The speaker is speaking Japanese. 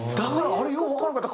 あれようわからんかった。